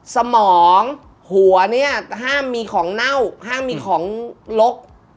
สมองหัวเนี่ยห้ามมีของเน่าห้ามมีของลก